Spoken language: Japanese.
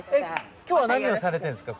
今日は何をされているんですか？